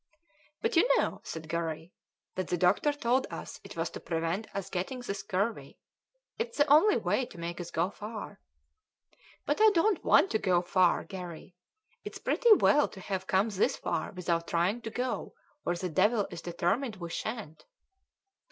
"But you know," said Garry, "that the doctor told us it was to prevent us getting the scurvy. It's the only way to make us go far." "But I don't want to go far, Garry; it's pretty well to have come this far without trying to go where the devil is determined we shan't."